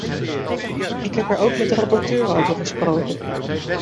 Ik heb er ook met de rapporteur over gesproken.